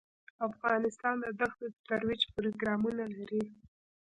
افغانستان د دښتو د ترویج پروګرامونه لري.